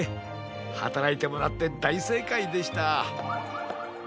はたらいてもらってだいせいかいでした。